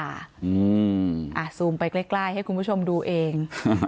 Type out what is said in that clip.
อ่าซูมไปใกล้ให้คุณผู้ชมดูเอง